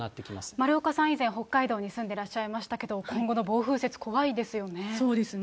丸岡さん、以前、北海道に住んでらっしゃいましたけれども、そうですね。